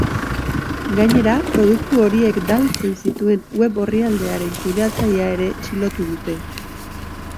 Gainera, produktu horiek daltzen zituen web orrialdearen kudeatzailea ere txilotu dute.